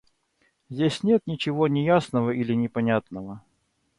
Здесь нет ничего неясного или непонятного.